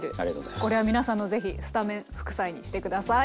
これは皆さんのぜひスタメン副菜にして下さい。